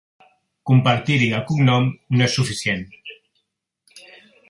Compartir-hi el cognom no és suficient.